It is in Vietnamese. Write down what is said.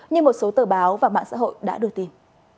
như một số tờ báo và mạng xã hội đã đưa tin